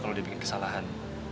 kalau dia bikin kesalahan